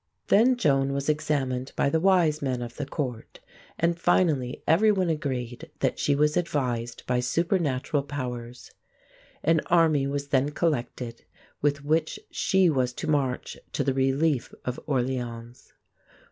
Then Joan was examined by the wise men of the court, and finally everyone agreed that she was advised by supernatural powers. An army was then collected, with which she was to march to the relief of Orléans.